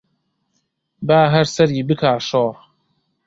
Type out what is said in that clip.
با هەر سەری بکا شۆڕ